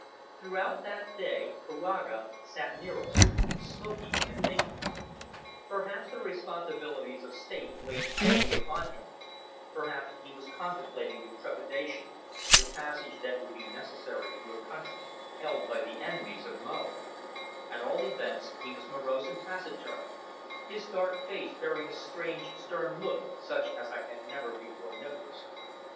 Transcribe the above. Throughout that day Kouaga sat near us, smoking and thinking. Perhaps the responsibilities of State weighed heavily upon him; perhaps he was contemplating with trepidation the passage that would be necessary through a country held by the enemies of Mo; at all events he was morose and taciturn, his dark face bearing a strange, stern look such as I had never before noticed.